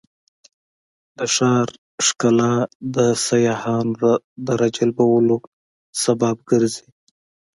د ښار ښکلا د سیاحانو د راجلبولو سبب ګرځي.